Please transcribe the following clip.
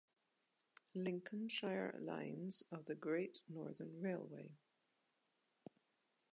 Lincolnshire lines of the Great Northern Railway